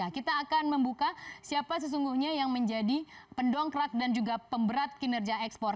kita akan membuka siapa sesungguhnya yang menjadi pendongkrak dan juga pemberat kinerja ekspor